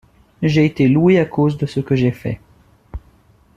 J'ai été loué à cause de ce que j'ai fait.